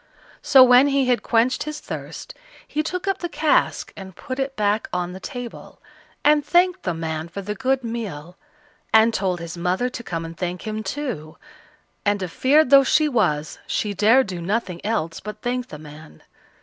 So when he had quenched his thirst, he took up the cask and put it back on the table, and thanked the man for the good meal, and told his mother to come and thank him too, and, a feared though she was, she dared do nothing else but thank the man.